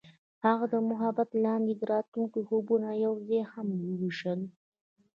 هغوی د محبت لاندې د راتلونکي خوبونه یوځای هم وویشل.